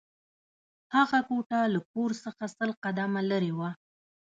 هغه کوټه له کور څخه سل قدمه لېرې وه